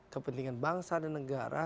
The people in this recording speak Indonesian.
kepentingan bangsa dan negara